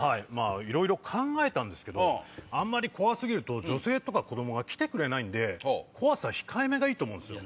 いろいろ考えたんですけどあまり怖過ぎると女性とか子供が来てくれないんで怖さ控えめがいいと思うんすよ。